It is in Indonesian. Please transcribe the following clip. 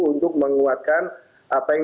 untuk menguatkan apa yang